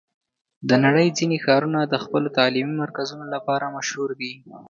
د نړۍ ځینې ښارونه د خپلو تعلیمي مرکزونو لپاره مشهور دي.